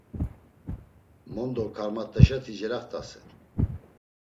Mondo karmat̆eşati celaxt̆asen.